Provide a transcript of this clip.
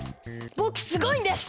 僕すごいんです！